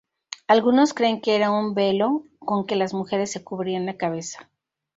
Algunos creen que era un velo con que las mujeres se cubrían la cabeza.